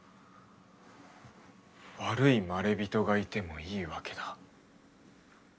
悪いマレビトがいてもいいわけだ。